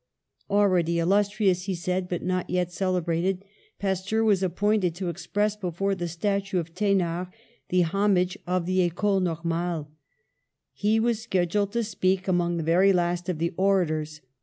"Already illustrious," he said, "but not yet celebrated, Pasteur was appointed to express, before the statue of Thenard, the homage of the Ecole Normale. He was scheduled to speak among the very last of the orators.